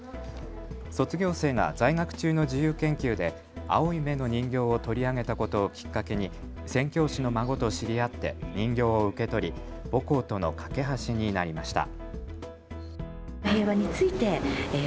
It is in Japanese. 卒業生が在学中の自由研究で青い目の人形を取り上げたことをきっかけに宣教師の孫と知り合って人形を受け取り母校との懸け橋になりました。